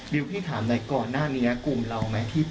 บิวพี่ถามอะไรก่อนหน้าเนี้ยกลุ่มเราไหม